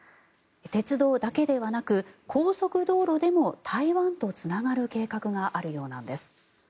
鉄道だけではなく高速道路でも台湾とつながる計画があるようなんです。